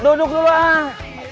duduk dulu ah